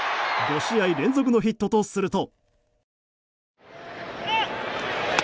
５試合連続のヒットとすると。